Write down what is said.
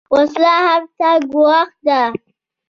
وسله عفت ته ګواښ ده